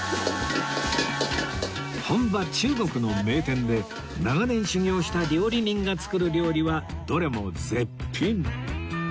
本場中国の名店で長年修業した料理人が作る料理はどれも絶品